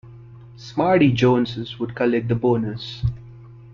Smarty Jones's would collect the bonus.